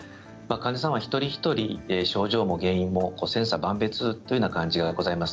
患者さん一人一人症状も千差万別という感じがございます。